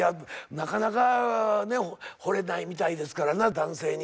なかなかね惚れないみたいですからな男性に。